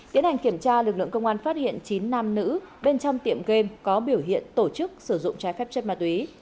tiến hành kiểm tra lực lượng công an phát hiện chín nam nữ bên trong tiệm game có biểu hiện tổ chức sử dụng trái phép chất ma túy